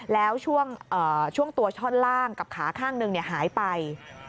แล้วช่วงตัวช่อนล่างกับขาข้างหนึ่งหายไป